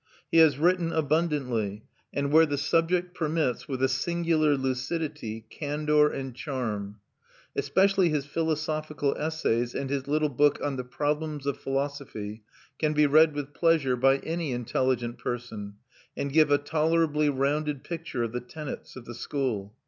He has written abundantly and, where the subject permits, with a singular lucidity, candour, and charm. Especially his Philosophical Essays and his little book on The Problems of Philosophy can be read with pleasure by any intelligent person, and give a tolerably rounded picture of the tenets of the school.